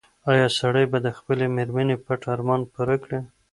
ایا سړی به د خپلې مېرمنې پټ ارمان پوره کړي؟